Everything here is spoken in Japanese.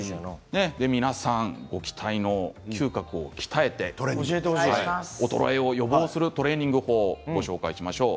皆さん、ご期待の嗅覚を鍛えて衰えを予防するトレーニング法をご紹介しましょう。